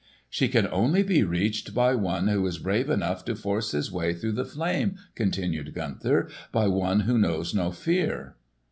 "She can only be reached by one who is brave enough to force his way through the flame," continued Gunther; "by one who knows no fear."